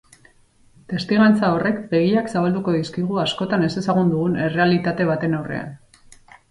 Testigantza horrek begiak zabalduko dizkigu askotan ezezagun dugun errealitate baten aurrean.